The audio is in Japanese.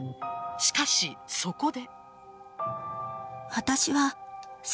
しかし、そこで。